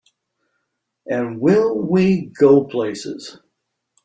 And will we go places!